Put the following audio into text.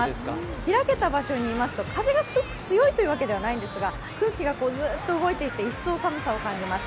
開けた場所にいますと風がすごく強いというわけではないんですが空気がずっと動いていて一層、寒さを感じます。